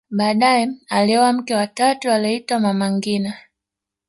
baadaye alioa mke wa tatu aliyeitwa mama ngina